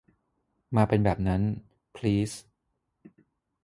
มาเป็นแบบนั้น พลีส